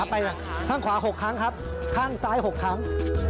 ไปข้างขวา๖ครั้งครับข้างซ้าย๖ครั้ง